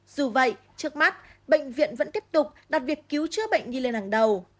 dù vậy trước mắt bệnh viện vẫn tiếp tục đặt việc cứu chữa bệnh đi lên hàng đầu